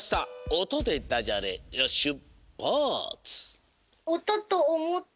「おと」でダジャレしゅっぱつ！